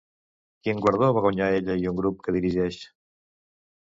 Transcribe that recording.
Quin guardó va guanyar ella i un grup que dirigeix?